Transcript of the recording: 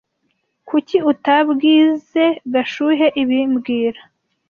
Kuki utabwizoe Gashuhe ibi mbwira